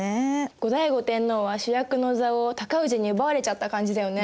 後醍醐天皇は主役の座を尊氏に奪われちゃった感じだよね。